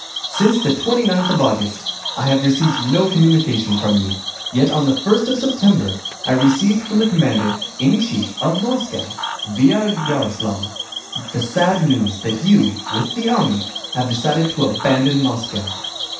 Since the twenty ninth of August I have received no communication from you, yet on the first of September I received from the commander in chief of Moscow, via Yaroslávl, the sad news that you, with the army, have decided to abandon Moscow.